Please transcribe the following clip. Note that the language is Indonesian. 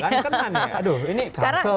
kenalan ya aduh ini kalsel